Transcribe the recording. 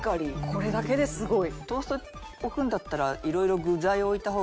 これだけですごい。